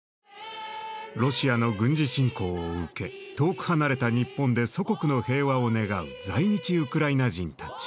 ロシアの軍事侵攻を受け遠く離れた日本で祖国の平和を願う在日ウクライナ人たち。